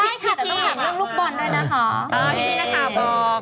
พี่นี่นะคะบอก